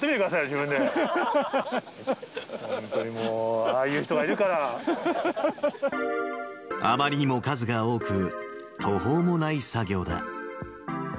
本当にもう、あまりにも数が多く、途方もない作業だ。